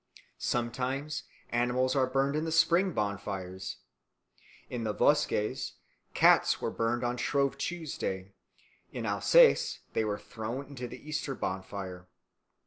Sometimes animals are burned in the spring bonfires. In the Vosges cats were burned on Shrove Tuesday; in Alsace they were thrown into the Easter bonfire.